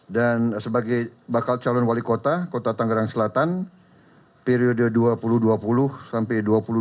dan sebagai bakal calon wali kota kota tangerang selatan periode dua ribu dua puluh sampai dua ribu dua puluh empat